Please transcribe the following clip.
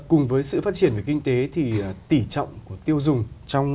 vâng cùng với sự phát triển về kinh tế thì tỉ trọng của tiêu dùng trong thời kỳ hội nhập